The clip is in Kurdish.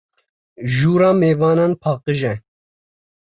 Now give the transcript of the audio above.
Jûra mêvanan paqij e.